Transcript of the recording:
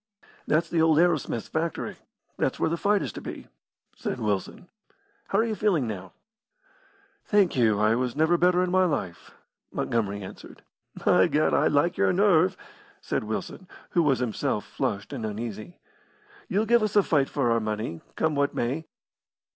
"That's the old Arrowsmith's factory. That's where the fight is to be," said Wilson. "How are you feeling now?" "Thank you, I was never better in my life," Montgomery answered. "By Gad, I like your nerve!" said Wilson, who was himself flushed and uneasy. "You'll give us a fight for our money, come what may.